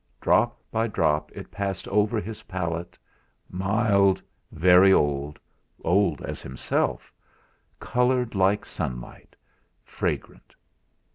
Drop by drop it passed over his palate mild, very old, old as himself, coloured like sunlight, fragrant.